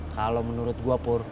kalo menurut gua pur